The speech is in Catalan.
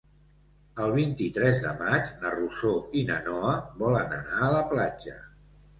El vint-i-tres de maig na Rosó i na Noa volen anar a la platja.